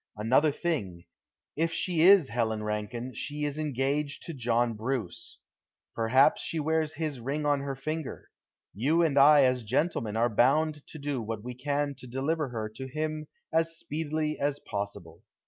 Another thing, if she is Helen Rankine, she is engaged to John Bruce. Perhaps she wears his ring on her finger. You and I as gentlemen are bound to do what we can to deliver her to him as speedily as possible.